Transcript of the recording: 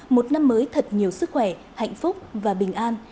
một năm mới thật nhiều sức khỏe hạnh phúc và bình an